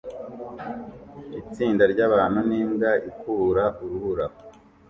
Itsinda ryabantu nimbwa ikubura urubura